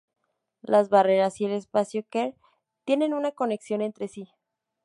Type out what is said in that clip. Las barreras y el espacio queer tienen una conexión entre sí.